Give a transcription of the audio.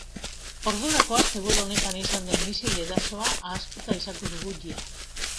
Ordurako, asteburu honetan izan den misil erasoa ahaztuta izango dugu ia.